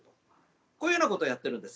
こういうようなことをやっているんです。